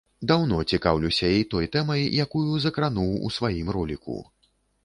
Даўно цікаўлюся і той тэмай, якую закрануў у сваім роліку.